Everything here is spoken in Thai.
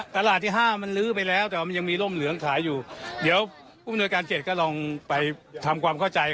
ตลาดที่ห้ามันลื้อไปแล้วแต่ว่ามันยังมีร่มเหลืองขายอยู่เดี๋ยวผู้มนวยการเขตก็ลองไปทำความเข้าใจ